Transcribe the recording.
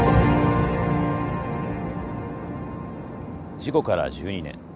事故から１２年。